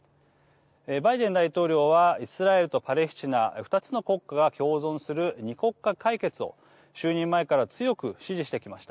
バイデン大統領はイスラエルとパレスチナ２つの国家が共存する２国家解決を就任前から強く支持してきました。